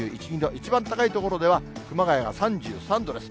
一番高い所では、熊谷が３３度です。